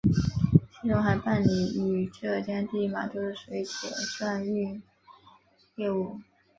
其中还办理与浙江第一码头的水铁转运业务。